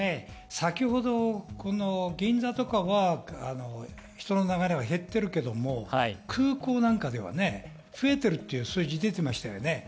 先ほど銀座などの人の流れは減っているけど空港では増えているという数字でていましたよね。